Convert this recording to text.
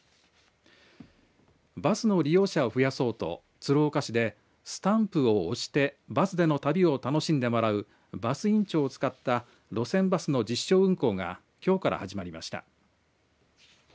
バスの利用者を増やそうと鶴岡市でスタンプを押してバスでの旅を楽しんでもらうバス印帳を使った路線バスの実証運行がきょうから始まりました。